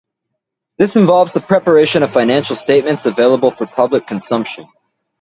This involves the preparation of financial statements available for public consumption.